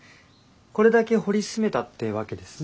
これだけ掘り進めたってわけですね。